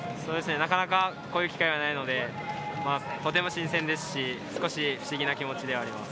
なかなかこういう機会はないので、とても新鮮ですし、少し不思議な気持ちであります。